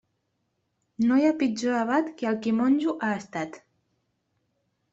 No hi ha pitjor abat que el qui monjo ha estat.